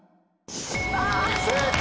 正解！